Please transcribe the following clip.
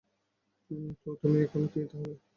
তো, তুমি এখন কী তাহলে?